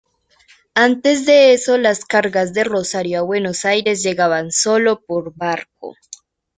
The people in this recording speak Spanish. Antes de eso, las cargas de Rosario a Buenos Aires llegaban sólo por barco.